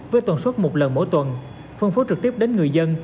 với tuần suốt một lần mỗi tuần phân phố trực tiếp đến người dân